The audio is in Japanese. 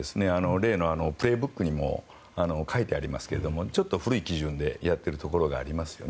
例の「プレーブック」にも書いてありますけれどちょっと古い基準でやっているところがありますよね。